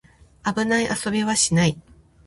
危ない遊びはしない